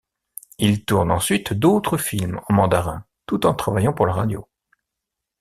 Il tourne ensuite d'autres films en mandarin tout en travaillant pour la radio.